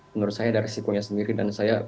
menurut saya ada resikonya sendiri dan saya